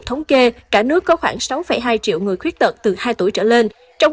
thành phố đà nẵng